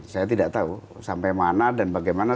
saya tidak tahu sampai mana dan bagaimana